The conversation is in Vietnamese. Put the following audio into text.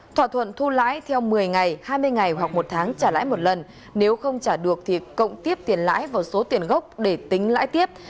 thỏa thuận thu lãi theo một mươi ngày hai mươi ngày hoặc một tháng trả lãi một lần nếu không trả được thì cộng tiếp tiền lãi vào số tiền gốc để tính lãi tiếp